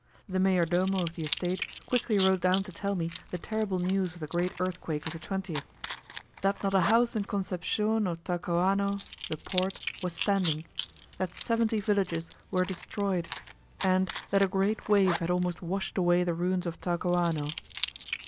The mayor domo of the estate quickly rode down to tell me the terrible news of the great earthquake of the 20th: "That not a house in Concepcion or Talcahuano (the port) was standing; that seventy villages were destroyed; and that a great wave had almost washed away the ruins of Talcahuano."